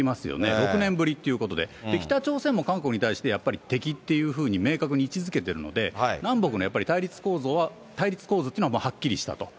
６年ぶりということで、北朝鮮も韓国に対して、やっぱり敵っていうふうに明確に位置づけてるので、南北のやっぱり対立構図というのははっきりしたと。